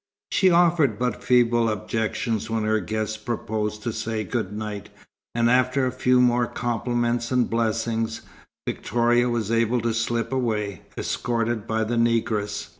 She offered but feeble objections when her guest proposed to say good night, and after a few more compliments and blessings, Victoria was able to slip away, escorted by the negress.